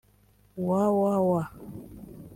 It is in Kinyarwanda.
//www